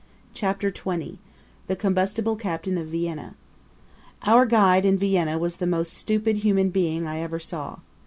Chapter XX The Combustible Captain of Vienna Our guide in Vienna was the most stupid human being I ever saw.